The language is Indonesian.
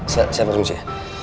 saya saya berpuncit